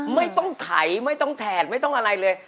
ไม่ต้องไถไม่ต้องแถดไม่ต้องอะไรเลย